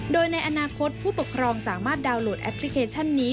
โดยในอนาคตผู้ปกครองสามารถดาวน์โหลดแอปพลิเคชันนี้